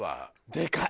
でかい。